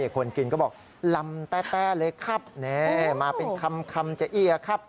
คนกินก็บอกลำแต้เลยครับมาเป็นคำจะเอี้ยครับ